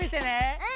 うん！